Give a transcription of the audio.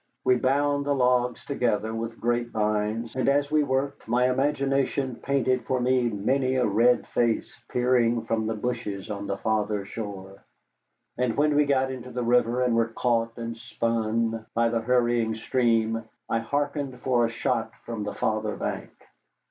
We bound the logs together with grapevines, and as we worked my imagination painted for me many a red face peering from the bushes on the farther shore. And when we got into the river and were caught and spun by the hurrying stream, I hearkened for a shot from the farther bank.